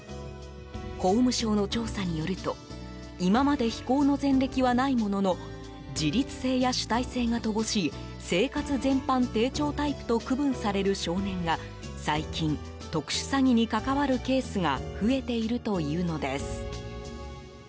法務省の調査によると今まで非行の前歴はないものの自立性や主体性が乏しい生活全般低調タイプと区分される少年が最近、特殊詐欺に関わるケースが増えているというのです。